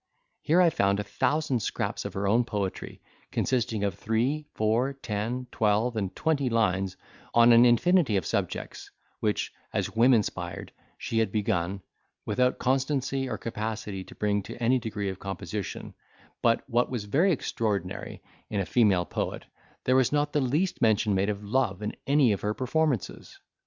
Here I found a thousand scraps of her own poetry, consisting of three, four, ten, twelve, and twenty lines, on an infinity of subjects, which, as whim inspired, she had begun, without constancy or capacity to bring to any degree of composition: but, what was very extraordinary in a female poet, there was not the least mention made of love in any of her performances.